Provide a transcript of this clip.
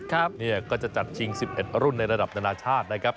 เนี่ยก็จะจัดชิง๑๑รุ่นในระดับนานาชาตินะครับ